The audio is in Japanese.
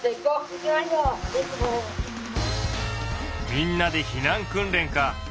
みんなで避難訓練か。